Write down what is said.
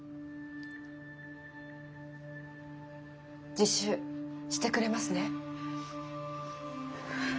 自首してくれますね？